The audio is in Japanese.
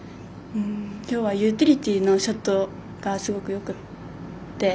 きょうはユーティリティーのショットがすごくよくて。